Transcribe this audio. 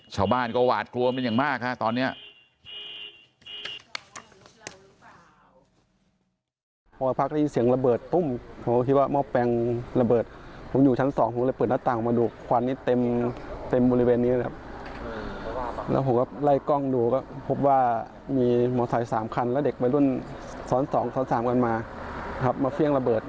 ชาวบ้านก็หวาดกลัวเป็นอย่างมากฮะตอนนี้